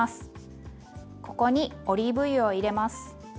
ここにオリーブ油を入れます。